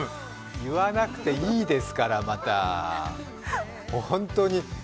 言わなくていいですから、また。